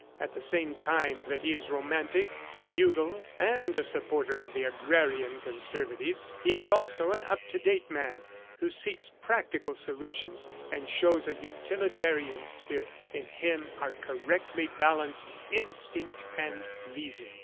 At the same time that he is romantic, feudal and a supporter of the agrarian conservatives, he is also an up to date man who seeks practical solutions and shows a utilitarian spirit. In him are correctly balanced instinct and reason."